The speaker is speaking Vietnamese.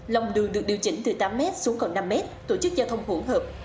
lòng đường được điều chỉnh từ tám mét xuống còn năm mét tổ chức giao thông hỗn hợp